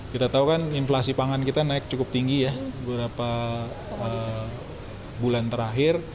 kita tahu kan inflasi pangan kita naik cukup tinggi ya beberapa bulan terakhir